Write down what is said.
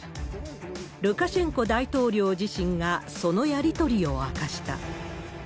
ルカシェンコ大統領自身がそのやり取りを明かした。